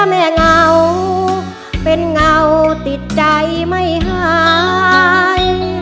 เหงาเป็นเงาติดใจไม่หาย